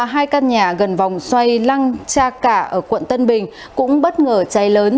hai căn nhà gần vòng xoay lăng cha cả ở quận tân bình cũng bất ngờ cháy lớn